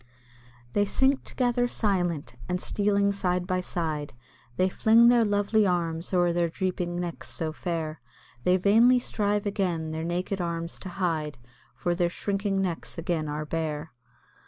They sink together silent, and stealing side by side, They fling their lovely arms o'er their drooping necks so fair, Then vainly strive again their naked arms to hide, For their shrinking necks again are bare.